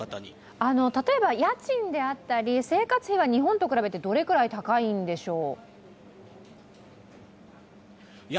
例えば家賃であったり生活費は日本と比べてどれくらい高いんでしょう？